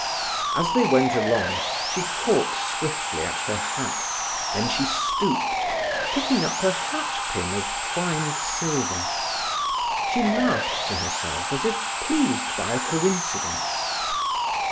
As they went along she caught swiftly at her hat; then she stooped, picking up a hat pin of twined silver. She laughed to herself as if pleased by a coincidence.